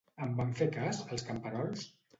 En van fer cas, els camperols?